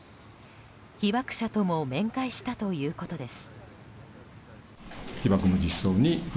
被爆者とも面会したということです。